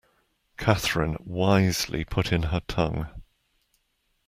Catherine wisely put in her tongue.